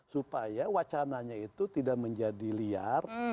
supaya wacananya itu tidak menjadi liar